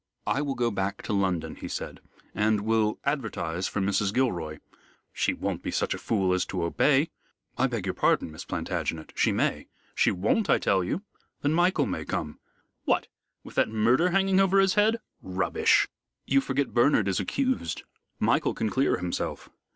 "I will go back to London," he said, "and will advertise for Mrs. Gilroy " "She won't be such a fool as to obey." "I beg your pardon, Miss Plantagenet; she may." "She won't, I tell you." "Then Michael may come." "What! with that murder hanging over his head? Rubbish!" "You forget Bernard is accused. Michael can clear himself."